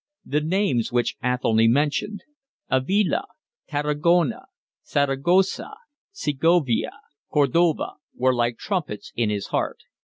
The names which Athelny mentioned, Avila, Tarragona, Saragossa, Segovia, Cordova, were like trumpets in his heart.